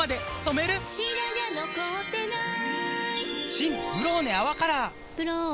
新「ブローネ泡カラー」「ブローネ」